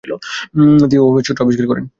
তিনি ও'মের সূত্র আবিষ্কার করেন।